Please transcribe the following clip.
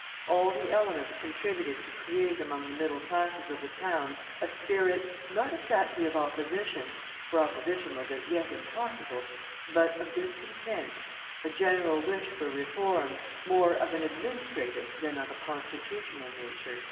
All the elements contributed to create among the middle classes of the towns a spirit, not exactly of opposition, for opposition was as yet impossible, but of discontent; a general wish for reforms, more of an administrative than of a constitutional nature.